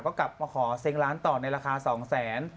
ก็กลับมาขอเซงก์ล้านต่อในราคาสองแสน